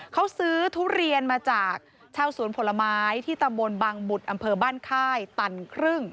เขาซื้อทุเรียนมาจากเช่าสวนผลไม้ที่ตะบนบางบุฎอบค่าตันครึ่ง